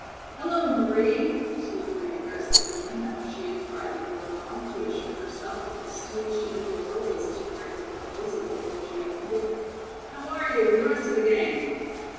"Hello, Marie," Slippery addressed the woman after she had tried the door knob to assure herself that the steel sheeted door was as correctly closed as before she opened it, "how are you and the rest of the gang?"